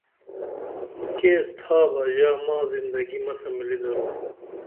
کیس تھابہ ژا مازندگی مسہ ملی درو